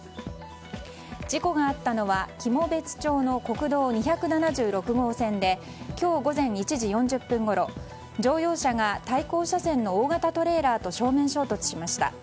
事故があったのは喜茂別町の国道２７６号線で今日午前１時４０分ごろ乗用車が対向車線の大型トレーラーと正面衝突しました。